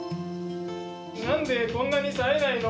なんでこんなにさえないの。